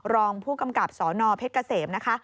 รองผู้กำกับสนเพชรเกษมนะคะ